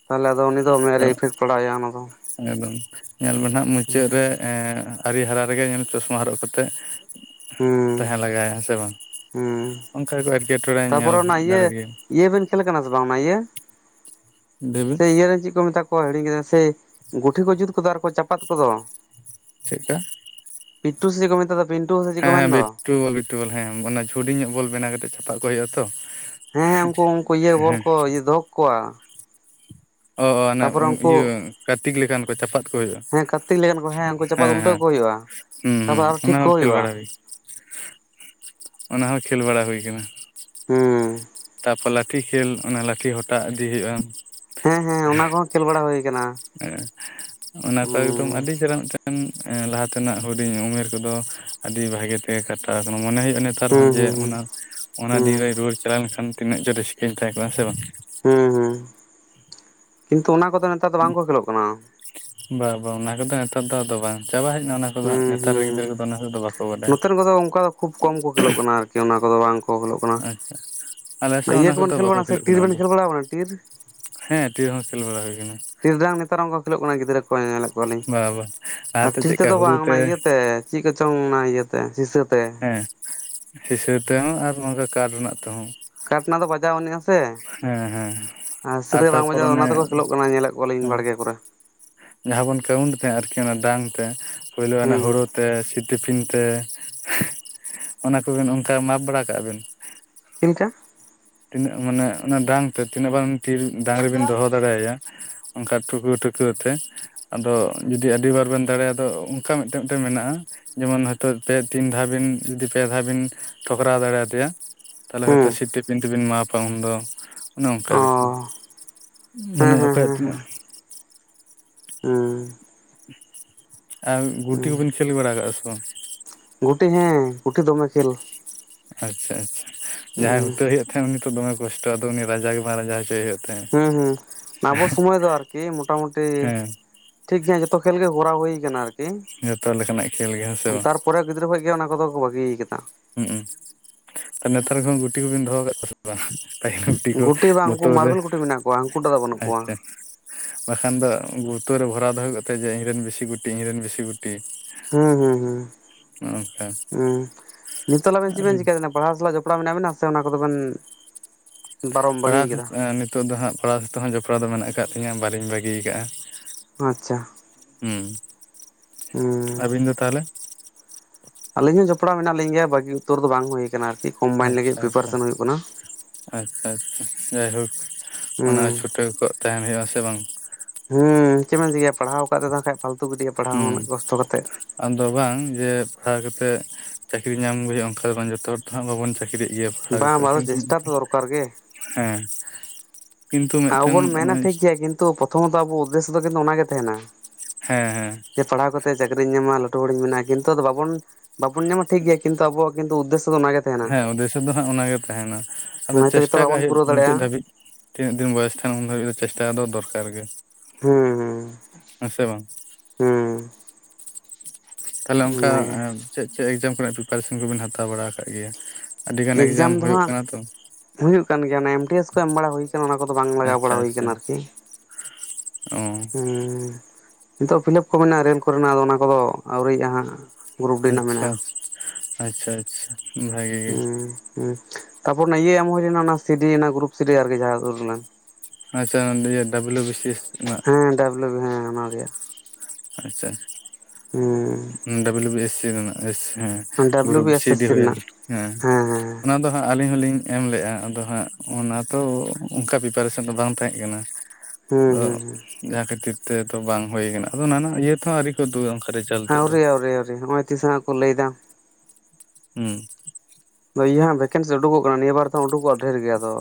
ᱛᱟᱦᱚᱞᱮ ᱟᱫᱚ ᱩᱱᱤ ᱫᱚ ᱢᱮᱫ ᱨᱮ ᱤᱯᱷᱮᱠᱴ᱾ ᱵᱟᱲᱟᱭᱟ ᱚᱱᱟᱫᱚ ᱮᱠᱫᱚᱢ ᱧᱮᱞ ᱢᱮ ᱦᱜ ᱢᱩᱪᱟᱹᱫ ᱨᱮ ᱟᱹᱨᱤ ᱦᱟᱨᱟ ᱨᱮᱜᱮ ᱧᱮᱞ ᱪᱚᱥᱢᱟ ᱦᱚᱨᱚᱜ ᱠᱟᱛᱮᱜ᱾ ᱦᱩᱸ ᱛᱟᱦᱮᱸ ᱞᱟᱜᱟᱭᱟ ᱥᱮ ᱵᱟᱝ᱾ ᱦᱩᱸ ᱚᱱᱠᱟ ᱠᱚ ᱮᱴᱠᱮᱴᱚᱬᱮ ᱧᱮᱞ ᱛᱟᱯᱚᱨᱮ ᱚᱱᱟ ᱤᱭᱟᱹ ᱫᱟᱲᱮᱜᱭᱟᱜ ᱜᱮᱭᱟ᱾ ᱤᱭᱟᱹ ᱵᱮᱱ ᱠᱷᱮᱞ ᱠᱟᱱᱟ ᱥᱮ ᱵᱟᱝ ᱚᱱᱟ ᱤᱭᱟᱹ ᱞᱟᱹᱭᱵᱤᱱ ᱥᱮ ᱤᱭᱟᱹ ᱪᱮᱫ ᱠᱚ ᱢᱮᱛᱟ ᱾ ᱠᱚ ᱦᱤᱲᱤᱧ ᱠᱮᱫᱟ ᱥᱮ ᱜᱩᱴᱷᱤ ᱠᱚ ᱡᱩᱛ ᱠᱚᱫ ᱟᱨ ᱠᱚ ᱪᱟᱯᱟᱫ ᱠᱚᱫᱚ᱾ ᱪᱮᱫ ᱠᱟ ᱯᱤᱴᱩ ᱥᱮ ᱪᱮᱫ ᱢᱮᱛᱟᱜ ᱫᱟ᱾ ᱦᱮᱸ ᱦᱮᱸ ᱵᱤᱴᱩᱵᱚᱞ ᱵᱤᱴᱩᱵᱚᱞ ᱦᱮᱸ ᱚᱱᱟ ᱦᱟᱰᱤᱧ ᱧᱚᱜ ᱵᱚᱞ ᱵᱮᱱᱟᱣ ᱠᱟᱛᱮ ᱪᱷᱟᱯᱟ ᱠᱚ ᱦᱩᱭᱩᱜᱼᱟ ᱛᱚ᱾ ᱦᱮᱸ ᱦᱮᱸ, ᱩᱱᱠᱩ ᱩᱱᱠᱩ ᱤᱭᱟᱹ ᱵᱚᱞ ᱦᱮᱸ ᱠᱚ ᱤᱭᱟᱹ ᱫᱚᱦᱚ ᱠᱟᱠᱚᱣᱟ᱾ ᱚ ᱦᱟᱱᱮ ᱤᱭᱟᱹ ᱠᱟᱨᱛᱤᱠ ᱞᱮᱠᱟᱱ ᱠᱚ ᱪᱟᱯᱟᱛ ᱦᱩᱭᱩᱜ-ᱟ, ᱦᱮᱸ ᱠᱟᱹᱨᱛᱤᱠ ᱞᱮᱠᱟᱱ ᱠᱚ ᱩᱱᱠᱩ ᱪᱟᱯᱟᱫ ᱦᱮᱸ ᱩᱞᱴᱟᱹᱣ ᱦᱮᱸ ᱠᱚ ᱦᱩᱭᱩᱜᱼᱟ ᱦᱩᱸ ᱦᱩᱸᱸ ᱛᱟᱯᱚᱨ ᱟᱨᱚ ᱚᱱᱟ ᱴᱷᱤᱠ ᱦᱚᱸ ᱠᱚ ᱠᱷᱮᱞ ᱵᱟᱲᱟ ᱦᱩᱭᱩᱜᱼᱟ ᱦᱩᱭ ᱠᱟᱱᱟ ᱾ ᱚᱱᱟ ᱦᱚᱸ ᱠᱷᱮᱞ ᱵᱟᱲᱟ ᱦᱩᱭ ᱠᱟᱱᱟ᱾ ᱦᱩᱸ᱾ ᱛᱟᱯᱚᱨ ᱞᱟᱴᱷᱤ ᱠᱷᱮᱞ ᱚᱱᱟ ᱞᱟᱴᱷᱤ ᱦᱚᱴᱟᱜ ᱤᱫᱤ ᱦᱩᱭᱩᱜ-ᱟ᱾ ᱦᱮᱸ ᱦᱮᱸ ᱚᱱᱟ ᱠᱚᱦᱚᱸ ᱠᱷᱮᱞ ᱵᱟᱲᱟ ᱦᱳᱭ ᱠᱟᱱᱟ, ᱚᱱᱟ ᱠᱚ ᱮᱠᱫᱚᱢ ᱦᱩᱸ᱾ ᱟᱹᱰᱤ ᱪᱮᱦᱨᱟ ᱢᱤᱫᱴᱮᱱ ᱞᱟᱦᱟ ᱛᱮᱱᱟᱜ ᱦᱩᱰᱤᱧ ᱩᱢᱮᱨ ᱠᱚᱫᱚ ᱟᱰᱤ ᱵᱷᱟᱜᱮ ᱛᱮᱜᱮ ᱠᱟᱴᱟᱣ ᱟᱠᱟᱱᱟ, ᱢᱚᱱᱮ ᱦᱩᱭᱩᱜ-ᱟ ᱱᱤᱛ ᱱᱮᱛᱟᱨ ᱦᱩᱸ ᱦᱚᱸ ᱡᱮ ᱦᱩᱸ ᱦᱩᱸ ᱚᱱᱟ ᱚᱱᱟ ᱫᱤᱱ ᱦᱩᱸ ᱨᱮ ᱨᱩᱣᱟᱹᱲ ᱪᱟᱞᱟᱣ ᱞᱮᱱᱠᱷᱟᱱ ᱛᱤᱱᱟᱹᱜ ᱪᱚ ᱨᱟᱹᱥᱠᱟᱹᱧ ᱛᱟᱦᱮᱸ ᱠᱚᱜ-ᱟ, ᱦᱮᱸ ᱥᱮ ᱵᱟᱝ? ᱦᱮᱸ ᱦᱩᱸ ᱠᱤᱱᱛᱩ ᱚᱱᱟ ᱠᱚᱫᱚ ᱱᱮᱛᱟᱨ ᱫᱚ ᱵᱟᱝ ᱠᱚ ᱠᱷᱮᱞᱚᱜ ᱠᱟᱱᱟ᱾ ᱵᱟᱝ ᱵᱟᱝ ᱚᱱᱟ ᱠᱚᱫᱚ ᱱᱮᱛᱟᱨ ᱫᱚ ᱟᱫᱚ ᱵᱟᱝ ᱪᱟᱵᱟ ᱦᱮᱡᱱᱟ ᱚᱱᱟ᱾ ᱠᱚᱫᱚ ᱦᱟᱜ ᱱᱮᱛᱟᱨ ᱨᱮᱱ ᱜᱤᱫᱽᱨᱟᱹᱫᱚ ᱚᱱᱟ ᱛᱮᱫ ᱫᱚ ᱵᱟᱠᱚ ᱵᱟᱰᱟᱭᱟᱺ ᱚᱱᱟ ᱫᱚ ᱚᱝᱠᱟ ᱠᱷᱩᱵ ᱠᱚᱢ ᱠᱚ ᱠᱷᱮᱞᱳᱜ ᱠᱟᱱᱟ ᱟᱨᱠᱤ ᱚᱱᱟ ᱠᱚᱫᱚ ᱵᱟᱝ ᱠᱚ ᱠᱷᱮᱞᱚᱜ ᱠᱟᱱᱟ, ᱟᱪᱪᱷᱟ ᱟᱞᱮ ᱥᱮᱫ ᱦᱚᱸ ᱤᱭᱟᱹ ᱚᱱᱟ ᱠᱚᱫᱚ ᱠᱚᱵᱮᱱ ᱠᱷᱮᱞ ᱵᱟᱠᱚ ᱵᱟᱲᱟ ᱥᱮ ᱠᱷᱮᱞᱳᱜ ᱴᱤᱨ ᱠᱟᱱᱟ ᱵᱮᱱ ᱟᱫᱚ ᱠᱷᱮᱞ ᱵᱟᱲᱟ ᱠᱟᱫᱟ ᱴᱤᱨ ᱦᱮᱸ ᱴᱤᱨ ᱦᱚᱸ ᱠᱷᱮᱞ ᱵᱟᱲᱟ ᱦᱩᱭ ᱠᱟᱱᱟ᱾ ᱴᱤᱨᱰᱟᱝ ᱱᱮᱛᱟᱨᱚᱝ ᱠᱚ ᱠᱷᱮᱞᱳᱜ ᱠᱟᱱᱟ ᱜᱤᱫᱽᱨᱟᱹ ᱠᱚ ᱧᱮᱞᱮᱫ ᱠᱚᱣᱟᱞᱤᱧ, ᱵᱟ ᱵᱟ ᱟᱨ ᱞᱟᱦᱟᱛᱮ ᱴᱤᱨ ᱪᱮᱫᱠᱟ ᱛᱮᱫᱚ ᱦᱩᱲᱩ ᱵᱟᱝ ᱛᱮ ᱚᱱᱟ ᱤᱭᱟᱹᱛᱮ᱾ ᱪᱮᱫ ᱠᱚᱪᱚᱝ ᱚᱱᱟ ᱤᱭᱟᱹᱛᱮ ᱦᱤᱸᱥᱟᱹᱵᱽ ᱦᱮᱸ ᱥᱤᱥᱟᱹ ᱛᱮᱦᱚᱸ ᱟᱨ ᱦᱚᱸᱜ ᱚᱝᱠᱟ ᱠᱟᱴ ᱨᱮᱱᱟᱜ ᱛᱮᱦᱚᱸ ᱾ ᱠᱟᱴ ᱨᱮᱱᱟᱜ ᱫᱚ ᱵᱟᱡᱟᱣ ᱟᱱᱤᱜ-ᱟ ᱾ ᱥᱮ ᱦᱮᱸ ᱟᱨ ᱥᱤᱨᱮᱯ ᱵᱟᱝ ᱛᱟᱨᱯᱚᱨ ᱵᱟᱡᱟᱭ ᱚᱱᱮ ᱚᱱᱟ ᱛᱮᱠᱚ ᱠᱷᱮᱞᱳᱜ ᱠᱟᱱᱟ ᱧᱮᱞᱮᱜ ᱠᱚᱣᱟᱞᱤᱧ ᱦᱮᱸ ᱵᱟᱲᱜᱮ ᱠᱚᱨᱮ ᱾ ᱡᱟᱦᱟᱸ ᱵᱚᱱ ᱠᱟᱹᱣᱩᱱᱴ ᱛᱟᱦᱮᱸ ᱟᱨᱠᱤ, ᱚᱱᱟ ᱰᱟᱝ ᱛᱮ ᱯᱳᱭᱞᱳ ᱚᱱᱟ ᱦᱳᱲᱳ ᱦᱩᱸ ᱛᱮ ᱥᱤᱯ ᱴᱤᱯᱤᱱ ᱛᱮ ᱚᱱᱟ ᱠᱚᱵᱤᱱ ᱚᱱᱠᱟ ᱢᱟᱯ ᱵᱟᱲᱟ ᱠᱟᱜ-ᱟ ᱵᱤᱱ? ᱪᱮᱫ ᱞᱮᱠᱟ? ᱛᱤᱱᱟᱹᱜ ᱢᱟᱱᱮ ᱚᱱᱟ ᱰᱟᱝ ᱛᱮ ᱛᱤᱱᱟᱹᱜ ᱰᱟᱝ ᱴᱤᱨ ᱰᱟᱝᱨᱤᱵᱤᱱ ᱫᱚᱦᱚ ᱫᱟᱲᱮᱭᱟᱭᱟ ᱾ ᱚᱱᱠᱟ ᱴᱩᱷᱠᱟᱹᱣ ᱴᱷᱩᱠᱟᱹᱣ ᱛᱮ ᱾ ᱟᱫᱚ ᱡᱩᱫᱤ ᱟᱹᱰᱤ ᱵᱟᱨ ᱵᱮᱱ ᱫᱟᱲᱮᱭᱟᱜᱼᱟ, ᱟᱫᱚ ᱚᱱᱠᱟ ᱢᱤᱫᱴᱮᱱ ᱢᱤᱫᱴᱮᱱ ᱢᱮᱱᱟᱜ-ᱟ ᱾ ᱡᱮᱢᱚᱱ ᱦᱚᱭᱛᱚ ᱯᱮ ᱛᱤᱱ ᱫᱷᱟᱣ ᱵᱤᱱ ᱡᱩᱫᱤ ᱯᱮ ᱫᱷᱟᱣ ᱵᱤᱱ ᱴᱷᱚᱠᱨᱟᱣ ᱫᱟᱲᱮᱭᱟᱫᱮᱭᱟ᱾ ᱛᱟᱦᱚᱞᱮ ᱦᱚᱭᱛᱚ ᱦᱩᱸ ᱥᱤᱯ ᱴᱤᱯᱤᱱ ᱛᱤᱵᱤᱱ ᱢᱟᱯᱟ ᱩᱱᱫᱚ ᱾ ᱚᱱᱮ ᱚᱱᱠᱟ ᱟᱨᱠᱤ ᱚ ᱦᱮᱸ ᱚᱱᱮ ᱦᱮᱸ ᱚᱠᱚᱭᱟᱜ ᱦᱮᱸ ᱦᱮᱸ ᱛᱤᱱᱟᱹᱜ ᱾ ᱦᱩᱸ ᱾ ᱟᱨ ᱜᱩᱴᱤ ᱦᱩᱸ ᱠᱚᱵᱤᱱ ᱠᱷᱮᱞ ᱵᱟᱲᱟᱣ ᱠᱟᱜ-ᱟ ᱥᱮ ᱵᱟᱝ? ᱜᱩᱴᱤ ᱦᱮᱸ, ᱜᱩᱴᱤ ᱫᱚᱢᱮ ᱠᱷᱮᱞ ᱾ ᱟᱪᱪᱷᱟ ᱟᱪᱪᱷᱟ, ᱡᱟᱦᱟᱸᱭ ᱦᱩᱸ ᱦᱩᱴᱟᱹᱣᱮ ᱦᱩᱭᱩᱜ ᱛᱟᱦᱮᱸᱫ ᱩᱱᱤ ᱛᱚ ᱫᱚᱢᱮ ᱠᱚᱥᱴᱚ ᱟᱫᱚ ᱩᱱᱤ ᱨᱟᱡᱟ ᱜᱮ ᱵᱟᱝ ᱨᱟᱡᱟ ᱦᱚᱪᱚᱣᱟᱭ ᱦᱳᱭᱳᱜ ᱦᱩᱸ ᱦᱩᱸ, ᱟᱵᱚ ᱥᱚᱢᱚᱭ ᱫᱚ ᱟᱨᱠᱤ ᱢᱳᱴᱟᱢᱩᱴᱤ ᱦᱮᱸ ᱴᱷᱤᱠᱜᱮᱭᱟ ᱡᱚᱛᱚ ᱠᱷᱮᱞ ᱜᱮ ᱠᱚᱨᱟᱣ ᱦᱩᱭ ᱠᱟᱱᱟ ᱟᱨ ᱡᱚᱛᱚ ᱞᱮᱠᱟᱱᱟᱜ ᱠᱷᱮᱞ ᱜᱮ ᱦᱮᱸ ᱥᱮ ᱵᱟᱝ? ᱯᱚᱨᱮ ᱜᱤᱫᱽᱨᱟᱹ ᱠᱷᱚᱡ ᱜᱮ ᱚᱱᱟ ᱠᱚᱫᱚ ᱠᱚ ᱵᱟᱹᱜᱤ ᱠᱟᱫᱟ ᱾ ᱦᱩᱸᱜ ᱩᱸ, ᱟᱨ ᱱᱮᱛᱟᱨ ᱠᱚᱦᱚᱸ ᱜᱩᱴᱤ ᱠᱚᱵᱮᱱ ᱫᱚᱦᱚ ᱠᱟᱜ ᱠᱚᱣᱟ ᱥᱮ ᱵᱟᱝ? ᱯᱟᱹᱦᱤᱞ ᱜᱩᱴᱤ ᱠᱚ ᱵᱟᱝ ᱩᱱᱠᱩ ᱵᱳᱛᱳᱞ ᱨᱮ, ᱢᱟᱨᱵᱮᱞ ᱜᱩᱴᱤ ᱢᱮᱱᱟᱜ ᱠᱚᱣᱟ ᱦᱟᱹᱱᱠᱩ ᱴᱟᱜ ᱫᱚ ᱵᱟᱹᱱᱩᱜ ᱠᱚᱣᱟ ᱟᱪᱪᱷᱟ᱾ ᱵᱟᱠᱷᱟᱱ ᱫᱚ ᱵᱳᱛᱳᱞ ᱨᱮ ᱵᱷᱚᱨᱟᱣ ᱫᱚᱦᱚ ᱠᱟᱛᱮᱫ, ᱡᱮ ᱤᱧᱨᱮᱱ ᱵᱮᱥᱤ ᱜᱩᱴᱤ ᱤᱧᱨᱮᱱ ᱵᱮᱥᱤ ᱜᱩᱴᱤ ᱾ ᱦᱩᱸ ᱦᱩᱸ ᱦᱩᱸ ᱦᱩᱸ, ᱱᱤᱛᱳᱜ ᱛᱟᱦᱞᱮ ᱪᱮᱫ ᱟᱨ ᱵᱮᱱ ᱪᱤᱠᱟᱹᱭᱫᱟ ᱚᱱᱟ ᱯᱟᱲᱦᱟᱣ ᱥᱟᱞᱟᱜ ᱡᱚᱯᱲᱟᱣ ᱢᱮᱱᱟᱜ ᱵᱮᱱᱟ, ᱥᱮ ᱚᱱᱟ ᱠᱚᱫᱚ ᱵᱮᱱ ᱯᱟᱨᱚᱢ ᱯᱟᱲᱦᱟᱣ ᱵᱟᱹᱜᱤᱭ ᱥᱟ ᱠᱟᱫᱟ ᱟ ᱱᱤᱛᱳᱜ ᱫᱚ ᱦᱟᱸᱜ ᱯᱟᱲᱦᱟᱣ ᱥᱟᱛᱮ ᱫᱚ ᱦᱟᱸᱜ ᱡᱚᱯᱲᱟᱣ ᱫᱚ ᱢᱮᱱᱟᱜ ᱠᱟᱜ ᱛᱤᱧᱟᱹ ᱵᱟᱹᱞᱤᱧ ᱵᱟᱹᱜᱤᱣ ᱠᱟᱜ-ᱟ ᱾ ᱟᱪᱪᱷᱟ ᱾ ᱦᱩᱸ, ᱦᱩᱸ ᱟᱹᱵᱤᱱ ᱫᱚ ᱛᱟᱦᱚᱞᱮ? ᱟᱹᱞᱤᱧ ᱦᱚᱸ ᱡᱚᱯᱲᱟᱣ ᱢᱮᱱᱟᱜ ᱞᱤᱧ ᱜᱮᱭᱟ ᱵᱟᱹᱜᱤ ᱩᱛᱟᱹᱨ ᱫᱚ ᱵᱟᱝ ᱦᱩᱭ ᱠᱟᱱᱟ ᱟᱹᱨᱠᱤ ᱠᱚᱢᱵᱟᱭᱤᱱᱰ ᱞᱟᱹᱜᱤᱫ ᱟᱪᱪᱷᱟ ᱟᱪᱪᱷᱟ ᱯᱨᱤᱯᱟᱨᱮᱥᱚᱱ ᱦᱩᱭᱩᱜ ᱠᱟᱱᱟ ᱾ ᱟᱪᱪᱷᱟ ᱟᱪᱪᱷᱟ ᱡᱟᱭᱦᱳᱠ ᱚᱱᱟ ᱦᱩᱸ ᱪᱷᱩᱴᱟᱹᱣ ᱠᱚᱜ ᱛᱟᱦᱮᱱ ᱦᱩᱭᱩᱜ-ᱟ ᱥᱮ ᱵᱟᱝ ᱾ ᱦᱩᱸ ᱪᱮᱫ ᱵᱮᱱ ᱪᱤᱠᱟᱹᱭᱟ ᱯᱟᱲᱦᱟᱣ ᱠᱟᱫ ᱨᱮᱫᱚ ᱦᱟᱸᱜ ᱠᱷᱟᱡ ᱯᱷᱟᱞᱛᱩ ᱜᱤᱰᱤᱜ-ᱟ ᱯᱟᱲᱦᱟᱣ ᱦᱚᱸ ᱦᱩᱸ ᱩᱱᱟᱹᱜ ᱠᱚᱥᱴᱚ ᱠᱟᱛᱮᱫ ᱾ ᱟᱫᱚ ᱵᱟᱝ ᱡᱮ ᱯᱟᱲᱦᱟᱣ ᱠᱟᱛᱮᱫ ᱪᱟᱹᱠᱨᱤ ᱧᱟᱢ ᱜᱮ ᱦᱩᱭᱩᱜ-ᱟ ᱚᱱᱠᱟ ᱫᱚ ᱵᱟᱝ ᱡᱚᱛᱚ ᱦᱚᱲ ᱛᱚ ᱦᱟᱸᱜ ᱵᱟᱵᱚᱱ ᱪᱟᱹᱠᱨᱤ ᱤᱭᱟᱹ ᱯᱟᱲᱦᱟᱣ ᱵᱟᱝ ᱠᱟᱛᱮᱫ ᱟᱫᱚ ᱠᱤᱱᱛᱩ ᱪᱮᱥᱴᱟ ᱛᱚ ᱫᱚᱨᱠᱟᱨ ᱜᱮ [unintelligible] ᱦᱮᱸ ᱠᱤᱱᱛᱩ ᱢᱤᱫᱴᱮᱱ ᱟᱵᱚᱵᱚᱱ ᱢᱮᱱᱟ ᱴᱷᱤᱠ ᱜᱮᱭᱟ ᱠᱤᱱᱛᱩ ᱯᱨᱚᱛᱷᱚᱢᱚᱛᱚ ᱟᱵᱚ ᱩᱫᱽᱫᱮᱥᱥᱚ ᱫᱚ ᱠᱤᱱᱛᱩ ᱚᱱᱟᱜᱮ ᱛᱟᱦᱮᱱᱟ ᱾ ᱦᱮᱸ ᱦᱮᱸ ᱾ ᱡᱮᱹ ᱯᱟᱲᱦᱟᱣ ᱠᱟᱛᱮᱫ ᱪᱟᱹᱠᱨᱤᱧ ᱧᱟᱢᱟ ᱞᱟᱹᱴᱩ ᱦᱚᱲᱤᱧ ᱵᱮᱱᱟᱜᱼᱟ ᱠᱤᱱᱛᱩ ᱟᱫᱚ ᱵᱟᱵᱚᱱ ᱵᱟᱵᱚᱱ ᱧᱟᱢᱟ ᱴᱷᱤᱠ ᱜᱮᱭᱟ ᱠᱤᱱᱛᱩ ᱟᱵᱚᱣᱟᱜ ᱠᱤᱱᱛᱩ ᱩᱫᱽᱫᱮᱥᱥᱚ ᱫᱚ ᱚᱱᱟ ᱜᱮ ᱛᱟᱦᱮᱱᱟ ᱦᱮᱸ ᱩᱫᱽᱫᱮᱥᱥᱚ ᱫᱚ ᱦᱟᱸᱜ ᱚᱱᱟᱜᱮ ᱛᱟᱦᱮᱱᱟ ᱾ ᱟᱫᱚ ᱦᱚᱭᱛᱚ ᱡᱚᱛᱚ ᱦᱚᱲ ᱪᱮᱥᱴᱟ ᱠᱟᱜ ᱵᱟᱵᱚᱱ ᱦᱩᱭᱩᱜ ᱯᱩᱨᱟᱹᱣ ᱢᱩᱪᱟᱹᱫ ᱫᱟᱲᱮᱭᱟᱜᱼᱟ ᱾ ᱫᱷᱟᱹᱵᱤᱡ ᱛᱤᱱᱟᱹᱜ ᱫᱤᱱ ᱵᱚᱭᱮᱥ ᱛᱟᱦᱮᱱᱟ ᱩᱱ ᱫᱷᱟᱹᱵᱤᱡ ᱫᱚ ᱪᱮᱥᱴᱟ ᱫᱚ ᱫᱚᱨᱠᱟᱨ ᱜᱮ ᱾ ᱦᱩᱸ ᱦᱩᱸ ᱾ ᱦᱮᱸ ᱥᱮ ᱵᱟᱝ? ᱛᱟᱦᱞᱮ ᱦᱩᱸ ᱚᱱᱠᱟ ᱚᱱᱟᱜᱮ ᱪᱮᱫ ᱪᱮᱫ ᱮᱠᱡᱟᱢ ᱠᱚᱨᱮᱱᱟᱜ ᱯᱨᱤᱯᱟᱨᱮᱥᱚᱱ ᱠᱚᱵᱮᱱ ᱦᱟᱛᱟᱣ ᱵᱟᱲᱟ ᱠᱟᱜ ᱜᱮᱭᱟ? ᱟᱹᱰᱤᱜᱟᱱ ᱮᱠᱡᱟᱢ ᱫᱚ ᱦᱩᱭᱩᱜ ᱦᱟᱸᱜ ᱠᱟᱱᱟ ᱛᱚ ᱾ ᱦᱩᱭᱩᱜ ᱠᱟᱱ ᱜᱮᱭᱟ ᱚᱱᱟ ᱮᱢ ᱴᱤ ᱮᱥ ᱠᱚ ᱮᱢ ᱵᱟᱲᱟ ᱦᱩᱭ ᱠᱟᱱᱟ ᱚᱱᱟ ᱠᱚᱫᱚ ᱵᱟᱝ ᱞᱟᱜᱟᱣ ᱟᱪᱪᱷᱟ ᱵᱟᱲᱟ ᱦᱩᱭ ᱟᱪᱪᱷᱟ ᱠᱟᱱᱟ ᱟᱹᱨᱠᱤ ᱾ ᱚ ᱾ ᱱᱤᱛᱳᱜ ᱯᱷᱤᱞᱟᱯ ᱠᱚ ᱢᱮᱱᱟᱜᱼᱟ ᱨᱮᱹᱞ ᱠᱚᱨᱮᱱᱟᱜ ᱟᱫᱚ ᱚᱱᱟ ᱠᱚᱫᱚ ᱟᱹᱣᱨᱤᱭᱟᱜ-ᱟ ᱦᱟᱸᱜ ᱾ ᱟᱪᱪᱷᱟ ᱟᱪᱪᱷᱟ ᱟᱪᱪᱷᱟ ᱟᱪᱪᱷᱟ ᱵᱷᱟᱜᱤ ᱜᱮ ᱾ ᱦᱩᱸ ᱦᱩᱸ ᱛᱟᱯᱚᱨ ᱚᱱᱟ ᱤᱭᱟᱹ ᱮᱢ ᱦᱩᱭ ᱞᱮᱱᱟ ᱚᱱᱟ ᱥᱤ ᱰᱤ ᱚᱱᱟ ᱜᱨᱩᱯ ᱥᱤ ᱰᱤ ᱟᱹᱨᱠᱤ ᱡᱟᱦᱟᱸ ᱩᱰᱩᱠ ᱞᱮᱱᱟ ᱾ ᱟᱪᱪᱷᱟ ᱚᱱᱟ ᱤᱭᱟᱹ ᱰᱟᱵᱽᱞᱩ ᱵᱤ ᱥᱤ ᱮᱥ ᱨᱮᱱᱟᱜ ᱾ ᱦᱮᱸ ᱰᱟᱵᱽᱞᱩ ᱵᱤ ᱦᱮᱸ ᱚᱱᱟ ᱨᱮᱭᱟᱜ᱾ ᱟᱪᱪᱷᱟ ᱰᱟᱵᱽᱞᱩ ᱵᱤ ᱮᱥ ᱥᱤ ᱨᱮᱱᱟᱜ ᱮ ᱦᱮᱸ᱾ ᱦᱩᱸ ᱜᱩᱨᱩ W B C S S D ᱦᱩᱭᱮᱱ ᱨᱮᱱᱟᱜ ᱦᱮᱸ᱾ ᱚᱱᱟ ᱫᱚ ᱦᱟᱸᱜ ᱟᱹᱞᱤᱧ ᱦᱚᱞᱤᱧ ᱮᱢ ᱞᱮᱜᱼᱟ ᱟᱫᱚ ᱦᱟᱸᱜ ᱚᱱᱟ ᱛᱚ ᱚᱱᱠᱟ ᱯᱨᱤᱯᱟᱨᱮᱥᱮᱱ ᱫᱚ ᱵᱟᱝ ᱛᱟᱦᱮᱸ ᱠᱟᱱᱟ᱾ ᱦᱩᱸ ᱦᱩᱸ ᱟᱫᱚ ᱦᱩᱸ ᱡᱟᱦᱟᱸ ᱠᱷᱟᱹᱛᱤᱨ ᱛᱮᱫᱚ ᱵᱟᱝ ᱦᱩᱭ ᱠᱟᱱᱟ᱾ᱟᱫᱚ ᱚᱱᱟ ᱤᱭᱟᱹ ᱛᱮᱦᱚᱸ ᱟᱹᱣᱨᱤ ᱠᱚ ᱩᱫᱩᱜ ᱚᱱᱠᱟ ᱨᱮᱡᱟᱞ᱾ ᱦᱮᱸ ᱟᱹᱣᱨᱤ ᱟᱹᱣᱨᱤ ᱱᱚᱜᱚᱭ ᱛᱤᱥ ᱦᱟᱸᱜ ᱠᱚ ᱞᱟᱹᱭ ᱮᱫᱟ᱾ ᱦᱮᱸ ᱤᱭᱟᱹ ᱦᱟᱸᱜ ᱵᱷᱮᱠᱮᱱᱥᱤ ᱩᱰᱩᱠᱚᱜ ᱠᱟᱱᱟ ᱱᱤᱭᱟᱹ ᱵᱟᱨ ᱫᱚ ᱩᱰᱩᱠᱚᱜᱼᱟ ᱰᱷᱮᱨ ᱜᱮᱭᱟᱫᱚ᱾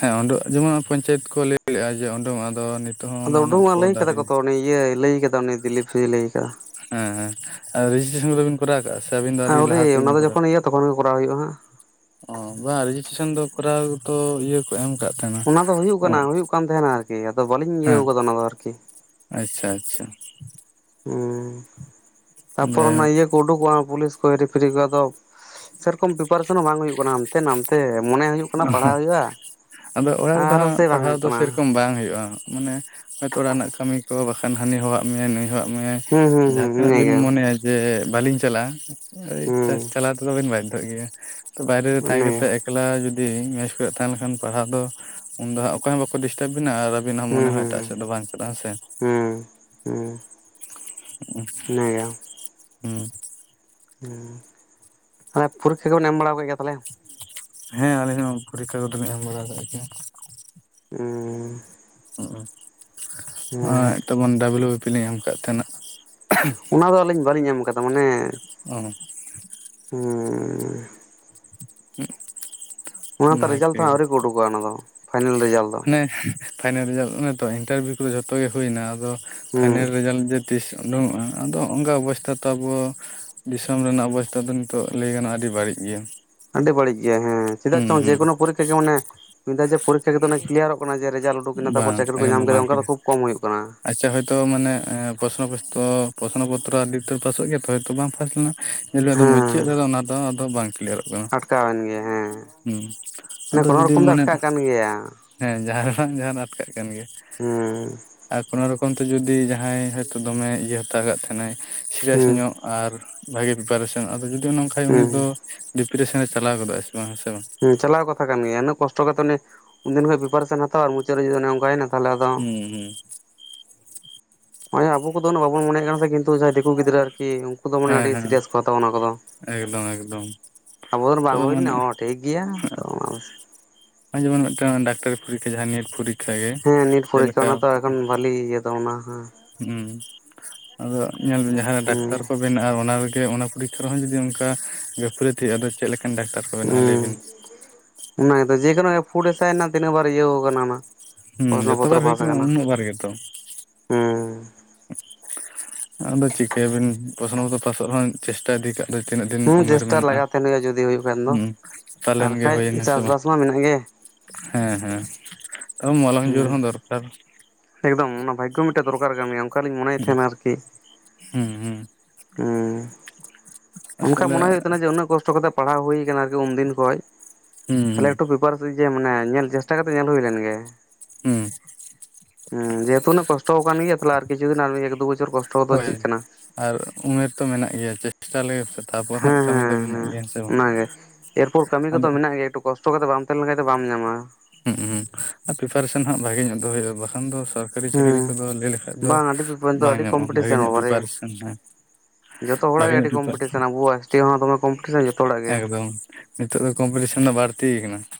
ᱦᱮᱸ ᱳᱰᱳᱠ ᱡᱮᱢᱚᱱ ᱯᱚᱧᱪᱟᱭᱮᱛ ᱠᱚ ᱞᱟᱹᱭ ᱞᱮᱫᱼᱟ ᱡᱮ ᱳᱰᱳᱠᱚᱜ ᱟ ᱟᱫᱚ [unintelligible] ᱦᱚᱸ ᱟᱫᱚ ᱚᱱᱟ ᱨᱮᱱᱟᱜ ᱩᱰᱩᱝᱚᱜᱼᱟ ᱠᱷᱚᱵᱚᱨ ᱞᱟᱹᱭ ᱫᱚ ᱠᱟᱫᱟ ᱟᱹᱣᱨᱤ ᱠᱚ ᱛᱚ ᱩᱱᱤ ᱤᱭᱟᱹᱭ ᱞᱟᱹᱭ ᱟᱠᱟᱫᱟ ᱩᱱᱤ ᱫᱤᱞᱤᱯ ᱞᱟᱹᱭ ᱟᱠᱟᱫᱟ᱾ ᱦᱮᱸ ᱦᱮᱸ ᱨᱮᱡᱤᱥᱴᱨᱮᱥᱚᱱ ᱠᱚᱫᱚᱵᱤᱱ ᱠᱚᱨᱟᱣ ᱠᱟᱜᱼᱟ ᱥᱮ ᱟᱹᱵᱤᱱ ᱫᱚ ᱟᱹᱰᱤ ᱞᱟᱦᱟ ᱟᱹᱣᱨᱤ ᱚᱱᱟ ᱛᱮᱜᱮᱵᱤᱱ ᱫᱚ ᱠᱚᱨᱟᱣ ᱡᱚᱠᱷᱚᱱ ᱤᱭᱟᱹ ᱛᱚᱠᱷᱚᱱ ᱜᱮ ᱠᱚᱨᱟᱣ ᱦᱩᱭᱩᱜᱼᱟ ᱦᱟᱸᱜ᱾ ᱚ ᱵᱟᱝ ᱨᱮᱡᱤᱥᱴᱨᱮᱥᱚᱱ ᱫᱚ ᱠᱚᱨᱟᱣ ᱛᱚ ᱤᱭᱟᱹ ᱠᱚ ᱮᱢ ᱠᱟᱜ ᱛᱟᱦᱮᱱᱟ ᱚᱱᱟ ᱫᱚ ᱦᱩᱭᱩᱜ ᱠᱟᱱᱟ ᱦᱩᱭᱩᱜ ᱠᱟᱱ ᱛᱟᱦᱮᱱᱟ ᱟᱨᱠᱤ ᱟᱫᱚ ᱵᱟᱹᱞᱤᱧ [inaudible] ᱦᱮᱸ, ᱤᱭᱟᱹᱣ ᱠᱟᱫᱟ ᱚᱱᱟ ᱫᱚ ᱟᱨᱠᱤ ᱟᱪᱪᱷᱟ ᱟᱪᱪᱷᱟ ᱦᱩᱸ ᱛᱟᱯᱚᱨ ᱚᱱᱟ ᱡᱟᱭᱦᱳᱠ ᱤᱭᱟᱹ ᱠᱚ ᱩᱰᱩᱠᱚᱜ ᱯᱩᱞᱤᱥ ᱦᱮᱨᱤ ᱯᱷᱮᱨᱤ ᱠᱚ ᱟᱫᱚ ᱥᱮᱨᱚᱠᱚᱢ ᱯᱨᱤᱯᱟᱨᱮᱥᱚᱱ ᱦᱚᱸ ᱵᱟᱝ ᱦᱩᱭᱩᱜ ᱠᱟᱱᱟ᱾ ᱦᱟᱱᱛᱮ ᱱᱟᱛᱮ ᱢᱚᱱᱮ ᱦᱩᱭᱩᱜ ᱠᱟᱱᱟ ᱚ ᱯᱟᱲᱦᱟᱜ ᱦᱩᱭᱩᱜᱼᱟ᱾ ᱟᱫᱚ ᱚᱲᱟᱜ ᱨᱮᱫᱚ ᱟᱨᱚ ᱦᱟᱸᱜ ᱥᱮ ᱵᱟᱝ ᱯᱟᱲᱦᱟᱣ ᱦᱩᱭᱩᱜ ᱫᱚ ᱠᱟᱱᱟ ᱥᱮᱨᱚᱠᱚᱢ ᱵᱟᱝ ᱦᱩᱭᱩᱜᱼᱟ᱾ ᱢᱟᱱᱮ ᱦᱳᱭᱛᱳ ᱚᱲᱟᱜ ᱨᱮᱱᱟᱜ ᱠᱟᱹᱢᱤ ᱠᱚ, ᱵᱟᱠᱷᱟᱱ ᱦᱟᱹᱱᱤ ᱦᱚᱦᱚᱣᱟᱜ ᱢᱮ ᱱᱩᱭ ᱦᱚᱦᱚᱣᱟᱜ ᱢᱮ ᱦᱩᱸ ᱦᱩᱸ ᱦᱩᱸ ᱡᱟᱦᱟᱸ ᱛᱤᱱᱟᱹᱜ ᱵᱤᱱ ᱤᱱᱟᱹᱜᱮ ᱢᱚᱱᱮᱭᱟ ᱡᱮ ᱵᱟᱹᱞᱤᱧ ᱪᱟᱞᱟᱜᱼᱟ ᱦᱩᱸ ᱾ ᱪᱟᱞᱟᱣ ᱛᱮᱫᱚ ᱵᱮᱱ ᱵᱟᱫᱫᱷᱚᱜ ᱜᱮᱭᱟ ᱛᱚ ᱵᱟᱭᱨᱮ ᱨᱮ ᱛᱟᱦᱮᱸ ᱤᱱᱟᱹᱜᱮ ᱠᱟᱛᱮᱫ ᱮᱠᱞᱟ ᱡᱩᱫᱤ ᱢᱮᱥ ᱠᱚᱨᱮ ᱛᱟᱦᱮᱸ ᱞᱮᱱᱠᱷᱟᱱ ᱯᱟᱲᱦᱟᱣ ᱫᱚ ᱩᱱ ᱫᱚ ᱚᱠᱚᱭ ᱦᱚᱸ ᱵᱟᱠᱚ ᱰᱤᱥᱴᱟᱵᱮᱱᱟ᱾ ᱟᱵᱤᱱᱟᱜ ᱢᱚᱱᱮ ᱦᱩᱸ ᱦᱚᱸ ᱦᱩᱸ ᱮᱴᱟᱜ ᱥᱮᱫ ᱫᱚ ᱵᱟᱝ ᱪᱟᱞᱟᱜ-ᱟ ᱦᱮᱸ ᱥᱮ᱾ ᱦᱩᱸ ᱦᱮᱸ, [inaudible] ᱦᱩᱸ᱾ [unintelligible] ᱯᱚᱨᱤᱠᱠᱷᱟ ᱠᱚᱵᱮᱱ ᱮᱢ ᱵᱟᱲᱟ ᱠᱮᱫ ᱜᱮᱭᱟ ᱛᱟᱦᱚᱸᱞᱮ? ᱦᱮᱸ ᱟᱹᱞᱤᱧ ᱦᱚᱸ ᱯᱚᱨᱤᱠᱠᱷᱟ ᱠᱚᱫᱚᱞᱤᱧ ᱮᱢ ᱵᱟᱲᱟ ᱟᱠᱟᱜ ᱜᱮᱭᱟ᱾ ᱦᱩᱸᱻ᱾ ᱦᱩᱸ [unintelligible] ᱛᱮᱢᱚᱱ ᱰᱟᱵᱞᱩ ᱵᱤ ᱯᱤ ᱞᱤᱧ ᱮᱢ ᱠᱟᱫ ᱛᱟᱦᱮᱸᱱᱟ᱾ ᱚᱱᱟ ᱫᱚ ᱟᱹᱞᱤᱧ ᱵᱟᱹᱞᱤᱧ ᱮᱢ ᱟᱠᱟᱫᱟ ᱢᱟᱱᱮ᱾ ᱚ [unintelligible] ᱚᱱᱟᱛᱮ ᱨᱮᱡᱟᱞᱴ ᱛᱚ ᱟᱹᱣᱨᱤ ᱠᱚ ᱩᱰᱩᱠᱚᱜ-ᱟ ᱚᱱᱟ ᱫᱚ᱾ ᱯᱷᱟᱭᱱᱮᱞ ᱨᱮᱡᱟᱞᱴ ᱫᱚ ᱢᱟᱱᱮ ᱯᱷᱟᱭᱱᱮᱞ ᱨᱮᱡᱟᱞᱴ ᱚᱱᱮ ᱛᱚ ᱤᱱᱴᱟᱨᱵᱷᱤᱭᱩ ᱠᱚᱫᱚ ᱡᱷᱚᱛᱚ ᱜᱮ ᱦᱩᱭ ᱮᱱᱟ᱾ ᱟᱫᱚ ᱯᱷᱟᱭᱱᱮᱞ ᱦᱮᱸ ᱨᱮᱡᱟᱞᱴ ᱛᱤᱥ ᱩᱰᱩᱝᱚᱜ-ᱟ ᱟᱫᱚ ᱚᱱᱠᱟ ᱚᱵᱚᱥᱛᱟ ᱛᱚ ᱟᱵᱚ ᱫᱤᱥᱚᱢ ᱨᱮᱱᱟᱜ ᱚᱵᱚᱥᱛᱟ ᱫᱚ᱾ ᱱᱤᱛᱚᱜ ᱞᱟᱹᱭ ᱜᱟᱱᱚᱜ-ᱟ ᱟᱰᱤ ᱵᱟᱹᱲᱤᱡ ᱜᱮᱭᱟ᱾ ᱟᱹᱰᱤ ᱵᱟᱹᱲᱤᱡ ᱜᱮᱭᱟ ᱦᱮᱸᱻ ᱪᱮᱫᱟᱜ ᱦᱩᱸ ᱪᱚᱝ ᱦᱩᱸ ᱡᱮᱠᱳᱱᱳ ᱯᱚᱨᱤᱠᱠᱷᱟ ᱜᱮ ᱢᱟᱱᱮ ᱢᱤᱫ ᱫᱷᱟᱣ ᱡᱮ ᱯᱚᱨᱤᱠᱠᱷᱟ ᱜᱮ ᱠᱞᱤᱭᱟᱨᱚᱜ ᱚᱱᱮ ᱡᱮ ᱨᱮᱡᱟᱞᱴ ᱩᱰᱩᱠ ᱮᱱᱟ ᱛᱟᱨᱚᱨ ᱵᱟᱝ ᱪᱟᱹᱠᱨᱤ ᱠᱚ ᱧᱟᱢ ᱠᱮᱫᱟ᱾ ᱚᱱᱠᱟ ᱫᱚ ᱠᱷᱩᱵ ᱠᱚᱢ ᱦᱩᱭᱩᱜ ᱠᱟᱱᱟ᱾ ᱛᱚ ᱢᱟᱱᱮ ᱯᱚᱥᱱᱚ ᱯᱛᱚ ᱯᱚᱥᱱ ᱯᱚᱛᱛᱨᱚ ᱟᱹᱰᱤ ᱯᱟᱥᱚᱜ ᱜᱮᱭᱟ ᱛᱚ ᱦᱭᱛᱚ ᱵᱟᱝ ᱯᱷᱟᱥᱴ ᱞᱮᱱᱟ᱾ ᱧᱮ ᱢᱮ ᱟᱫᱚ ᱢᱩᱪᱟᱹᱫ ᱦᱮᱸ ᱨᱮᱫᱚ ᱚᱱᱟ ᱫᱚ ᱟᱫᱚ ᱵᱟᱝ ᱠᱞᱤᱭᱟᱨᱚᱜ ᱠᱟᱱᱟ ᱟᱴᱠᱟᱣᱮᱱ ᱜᱮᱭᱟ ᱦᱮᱸ᱾ ᱢᱟᱱᱮ ᱠᱳᱱᱳ ᱨᱚᱠᱚᱢ ᱫᱚ ᱟᱴᱠᱟᱜ ᱠᱟᱱ ᱜᱮᱭᱟ᱾ ᱦᱮᱸ ᱡᱟᱦᱟᱸ ᱨᱮᱱᱟ ᱡᱟᱦᱱᱟᱜ ᱟᱴᱠᱟᱜ ᱠᱟᱱ ᱜᱮᱭᱟ, ᱦᱮᱸ ᱟᱨ ᱠᱳᱱᱳ ᱨᱚᱠ ᱮᱠᱷᱚᱱᱛᱮ ᱡᱩᱫᱤ ᱡᱟᱦᱟᱸᱭ ᱦᱚᱳᱭᱛᱚ ᱫᱚᱢᱮ ᱤᱭᱟᱹ ᱦᱟᱛᱟᱣ ᱟᱠᱟᱫ ᱛᱟᱦᱮᱸᱱᱟᱭ ᱥᱤᱨᱤᱭᱟᱥ ᱦᱮᱸ ᱧᱚᱜ᱾ ᱟᱨ ᱵᱷᱟᱜᱮ ᱯᱤᱯᱟᱨᱮᱥᱚᱱ ᱟᱫᱚ ᱡᱩᱫᱤ ᱱᱟᱜ ᱠᱷᱟᱱᱡ ᱩᱱᱤ ᱫᱚ ᱦᱮᱸ ᱰᱤᱯᱟᱨᱮᱥᱮᱱᱮ ᱪᱟᱞᱟᱣ ᱜᱚᱫᱚᱜ ᱟᱭ ᱥᱮ ᱵᱟᱝ ᱦᱮᱸᱥᱮ ᱵᱟᱝ᱾ ᱦᱮ ᱪᱟᱞᱟᱣ ᱠᱟᱛᱷᱟ ᱜᱮᱭᱟ, ᱩᱱᱟᱹ ᱠᱚᱥᱴᱚ ᱠᱟᱛᱮ ᱩᱱᱤ ᱩᱱᱫᱤᱱ ᱠᱷᱚᱱᱚᱡ ᱯᱤᱯᱟᱨᱮᱥᱮᱱ ᱦᱟᱛᱣᱟ ᱟᱨ ᱢᱩᱪᱟᱹᱫ ᱨᱮ ᱡᱩᱫᱤ ᱚᱱᱮᱚᱱᱠᱟ ᱮᱱᱟ᱾ ᱦᱩᱸ ᱦᱩᱸ, ᱱᱚᱜᱭ ᱟᱵᱚ ᱫᱚᱫᱚ ᱩᱱᱟᱹ ᱵᱟᱵᱚᱱ ᱢᱚᱱᱮᱭᱟᱜ ᱠᱟᱱᱟ ᱠᱤᱱᱛᱩ ᱡᱟᱦᱟᱸᱭ ᱫᱤᱠᱩ ᱜᱤᱫᱽᱨᱟᱹ ᱟᱨᱠᱤ ᱩᱱᱠᱩ ᱫᱚ ᱢᱟᱱᱮ ᱦᱮᱸ ᱟᱹᱰᱤ ᱦᱮᱸ ᱥᱤᱨᱤᱭᱟᱥ ᱠᱚ ᱦᱟᱛᱟᱣᱟ ᱚᱱᱟ ᱮᱠᱫᱚᱢ ᱮᱠᱫᱚᱢ ᱠᱚᱫᱚ᱾ᱟᱵᱚ ᱫᱚ ᱛᱚ ᱵᱟᱝ ᱦᱩᱭ ᱞᱮᱱᱟ ᱢᱟᱱᱮ ᱦᱚᱲ ᱴᱷᱤᱠ ᱜᱮᱭᱟ ᱛ ᱚᱱᱟ᱾ ᱱᱚᱜ-ᱚᱭ ᱡᱮᱢᱚᱱ ᱢᱤᱫᱴᱟᱝ ᱰᱟᱠᱛᱟᱨᱤ ᱯᱚᱨᱤᱠᱠᱷᱟ ᱡᱟᱦᱟᱸ ᱱᱮᱴ ᱯᱚᱨᱤᱠᱠᱷᱟ ᱜᱮ ᱪᱮᱫ ᱞᱮᱠᱟ ᱵᱷᱟᱹᱞᱤ ᱤᱭᱟᱹ ᱫᱚ ᱚᱱᱟ ᱦᱟᱸᱜ᱾ ᱦᱩᱸ, ᱟᱫᱚ ᱧᱮᱞᱵᱤᱱ ᱡᱟᱦᱟᱸᱨᱮ ᱫᱟᱠᱛᱟᱨ ᱦᱮᱸ ᱠᱚ᱾ ᱵᱮᱱᱟᱜ-ᱟ ᱚᱱᱟ ᱨᱮᱜᱮ ᱚᱱᱟ ᱯᱚᱨᱤᱠᱠᱷᱟ ᱨᱮᱦᱚᱸ ᱡᱩᱫᱤ ᱚᱱᱠᱟ ᱜᱟᱯᱷᱟᱹᱞᱳᱛᱤ ᱟᱫᱚ ᱪᱮᱫ ᱞᱮᱠᱟᱱ ᱫᱟᱠᱛᱟᱨ ᱠᱚ ᱵᱮᱱᱟᱜ-ᱟ ᱞᱟᱹᱭᱵᱤᱱ᱾ ᱦᱩᱸ ᱚᱱᱟ ᱜᱮ ᱛᱚ ᱡᱮᱠᱚᱱᱳ ᱮᱯᱷᱩᱰ ᱮᱥ ᱟᱭ ᱛᱤᱱᱟᱹᱜ ᱵᱟᱨ ᱤᱭᱟᱹ ᱟᱠᱟᱱᱟ ᱚᱱᱟ᱾ ᱦᱩᱸ ᱯᱨᱚᱥᱱᱚ ᱡᱚᱛᱚ ᱵᱟᱨ ᱦᱩᱭ ᱟᱠᱟᱱᱟ ᱩᱱᱟᱹᱜ ᱵᱟᱨ ᱜᱮᱛᱚ᱾ ᱦᱩ, ᱸ ᱟᱫᱚ ᱪᱤᱠᱟᱹᱭᱟᱵᱤᱱ ᱯᱨᱚᱥᱱᱚ ᱠᱚ ᱫᱚ ᱯᱟᱥᱚᱜ ᱨᱮᱦᱚ ᱪᱮᱥᱴᱟ ᱤᱫᱤ ᱠᱟᱜ ᱟᱫᱚ ᱛᱤᱱᱟᱹᱜ ᱫᱤᱱ ᱦᱩᱸ ᱩᱢᱮᱨ ᱪᱮᱥᱴᱟ ᱢᱮᱱᱟᱜ-ᱟ ᱞᱟᱜᱟᱣ ᱛᱟᱦᱮᱱ ᱦᱩᱭᱩᱜᱼᱟ ᱡᱩᱫᱤ ᱦᱩᱭᱩᱜ ᱠᱷᱟᱱ ᱫᱚ ᱦᱩᱸ ᱟᱨ ᱯᱟᱞᱮᱱ ᱜᱮ ᱵᱟᱠᱷᱟᱡ ᱦᱩᱭᱮᱱᱟ ᱥᱮ ᱵᱟᱝ᱾ ᱪᱟᱥᱵᱟᱥ ᱢᱟ ᱢᱮᱱᱟᱜ ᱜᱮ ᱦᱮᱸ ᱦᱮᱸ ᱛᱚ ᱢᱚᱞᱚᱝ ᱡᱳᱨ ᱦᱩᱸ ᱦᱚᱸ ᱫᱚᱨᱠᱟᱨ᱾ ᱮᱠᱫᱚᱢ ᱚᱱᱟ ᱵᱷᱟᱜᱜᱚ ᱢᱤᱫᱴᱮᱡ ᱫᱚᱨᱠᱟᱨ ᱠᱟᱱ ᱜᱮᱭᱟ ᱚᱱᱠᱟᱞᱤᱧ ᱢᱚᱱᱮᱭᱮᱫ ᱛᱟᱦᱮᱸᱱᱟ ᱟᱨᱠᱤ᱾ ᱦᱩᱸ ᱦᱩᱸ, ᱦᱩᱸ ᱚᱱᱠᱟᱟᱱ ᱟᱥᱚᱞᱮ ᱢᱚᱱᱮ ᱦᱩᱭᱩᱜ ᱠᱟᱱᱟ ᱡᱮ ᱩᱱᱟᱹᱜ ᱠᱚᱥᱴᱚ ᱠᱟᱛᱮᱜ ᱯᱟᱲᱦᱟᱣ ᱦᱩᱭ ᱟᱠᱟᱱᱟ ᱩᱱᱢᱫᱤᱱ ᱠᱷᱚᱡ ᱦᱩᱸ ᱛᱟᱦᱚᱸᱞᱮ ᱦᱩᱸ ᱮᱠᱴᱩ ᱯᱮᱯᱟᱨ ᱡᱮ ᱢᱟᱱᱮ ᱧᱮᱞ ᱪᱮᱥᱴᱟ ᱠᱟᱛᱮ ᱧᱮᱞ ᱦᱩᱭ ᱞᱮᱱ ᱜᱮ᱾ ᱦᱩᱸ, ᱦᱮ ᱡᱮᱦᱮᱛᱩ ᱩᱱᱳᱜ ᱠᱚᱥᱴᱚ ᱠᱟᱱ ᱜᱮᱭᱟ ᱛᱟᱦᱚᱸᱞᱮ ᱟᱨᱠᱤᱪᱷᱩ ᱫᱤᱱ ᱟᱨ ᱢᱤᱫ [unintelligible] ᱦᱳᱭ ᱦᱳᱭ ᱟᱨ ᱩᱢᱮᱨ ᱛᱚ ᱢᱮᱱᱟᱜ ᱜᱮᱭᱟ ᱪᱮᱥᱴᱟ ᱞᱮᱜᱮ ᱥᱮ᱾ ᱛᱟᱯᱚᱨ ᱦᱟᱸᱜ ᱦᱮᱸ ᱠᱟᱹᱢᱤ ᱫᱚ ᱦᱮᱸ ᱢᱮᱱᱟᱜ ᱦᱮᱸ ᱜᱮᱭᱟ ᱵᱟᱝ ᱚᱱᱟᱜᱮ ᱮᱨᱯᱚᱨ ᱠᱟᱹᱢᱤ ᱟᱫᱚ ᱠᱚᱫᱚ ᱢᱮᱱᱟᱜ ᱜᱮᱭᱟ ᱮ. ᱴᱩ ᱠᱟᱥ ᱛᱚ ᱠᱟᱛᱮ ᱵᱟᱢ ᱛᱟᱦᱮᱸ ᱞᱮᱱᱠᱷᱟᱡ ᱫᱚ ᱵᱟᱢ ᱧᱟᱢᱟ᱾ ᱦᱩᱸ ᱟᱨ ᱯᱨᱤᱯᱟᱨᱮᱥᱚᱱ ᱦᱟᱸᱜ ᱵᱷᱟᱜᱮ ᱧᱚᱜ ᱫᱚ ᱦᱩᱭᱩᱜ-ᱟ ᱵᱟᱠᱷᱟᱱ ᱫᱚ ᱥᱚᱨᱠ ᱥᱚᱨᱠᱟᱹᱨᱤ ᱪᱟᱹᱠᱨᱤ ᱦᱮᱸ ᱠᱚᱫᱚ ᱞᱟᱹᱭ ᱞᱮᱠᱷᱟᱡ ᱫᱚ ᱵᱟᱝ ᱟᱹᱰᱤ ᱵᱟᱝ ᱟᱹᱰᱤ ᱧᱟᱢᱚᱜ-ᱟ ᱵᱷᱟᱜᱮ ᱠᱚᱢᱯᱤᱴᱤᱥᱮᱱ ᱧᱚᱜ ᱵᱟᱵᱟᱨᱮ ᱯᱤᱯᱟᱨᱮᱥᱮᱱ ᱦᱚᱸ ᱡᱚᱛᱚ ᱦᱚᱲᱟᱜ ᱜᱮ ᱟᱹᱰᱤ ᱠᱚᱢᱯᱤᱴᱤᱥᱟᱱ ᱟᱵᱚᱣᱟᱜ ᱮᱥ ᱴᱤ ᱦᱚᱸ ᱫᱚᱢᱮ ᱠᱚᱢᱯᱤᱴᱤᱥᱟᱱ ᱡᱚᱛᱚ ᱦᱚᱲᱟᱜ ᱜᱮ᱾ ᱮᱠᱫᱚᱢ ᱱᱤᱛᱚᱜ ᱫᱚ ᱠᱚᱢᱯᱤᱴᱤᱥᱟᱱ ᱵᱟᱹᱲᱛᱤ ᱠᱟᱱᱟ ᱾